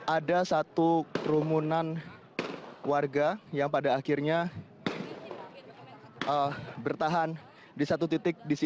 ada satu kerumunan warga yang pada akhirnya bertahan di satu titik di sini